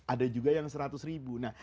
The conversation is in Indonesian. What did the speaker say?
ada juga yang seratus ribu